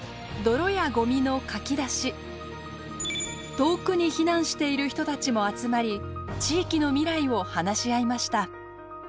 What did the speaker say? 遠くに避難している人たちも集まり地域の未来を話し合いました。